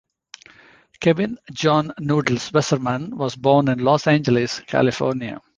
Kevin John "Noodles" Wasserman was born in Los Angeles, California.